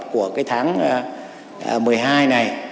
của tháng một mươi hai này